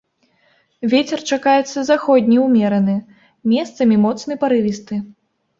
Вецер чакаецца заходні ўмераны, месцамі моцны парывісты.